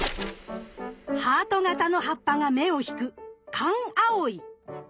ハート型の葉っぱが目を引くカンアオイ。